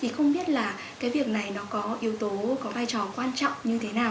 không biết việc này có yếu tố có vai trò quan trọng như thế nào